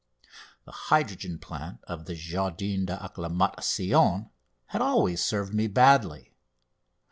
The hydrogen plant of the Jardin d'Acclimatation had always served me badly.